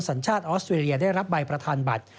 สัญชาติออสเวรียได้รับใบประธานบัตร